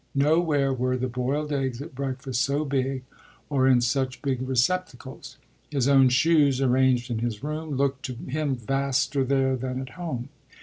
Nowhere were the boiled eggs at breakfast so big or in such big receptacles; his own shoes, arranged in his room, looked to him vaster there than at home.